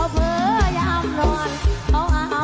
เพลงมันจะต้องร้องอย่างไร